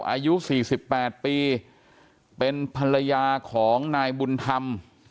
อายุสี่สิบแปดปีเป็นภรรยาของนายบุญธรรม